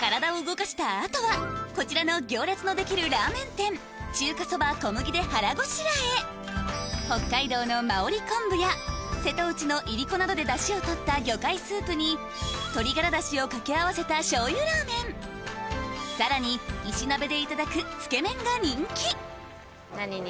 体を動かした後はこちらの行列のできるラーメン店で腹ごしらえなどでダシを取った魚介スープに鶏がらダシを掛け合わせた醤油ラーメンさらに石鍋でいただくつけ麺が人気何に。